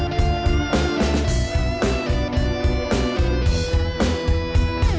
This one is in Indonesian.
bener ada pelayanan di kereta ini